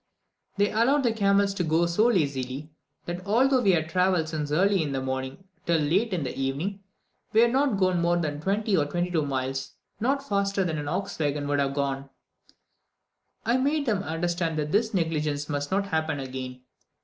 They allowed the camels to go so lazily, that although we had travelled since early in the morning until late in the evening, we had not gone more than twenty or twenty two miles, not faster than an ox waggon would have gone. I made them understand that this negligence must not happen again.